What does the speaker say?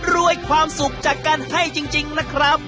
ความสุขจากการให้จริงนะครับ